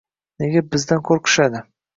Nega bizdan qo‘rqishadi?